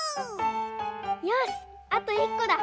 よしあといっこだ！